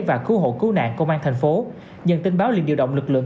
và cứu hộ cứu nạn công an thành phố nhận tin báo liền điều động lực lượng